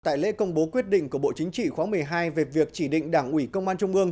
tại lễ công bố quyết định của bộ chính trị khóa một mươi hai về việc chỉ định đảng ủy công an trung ương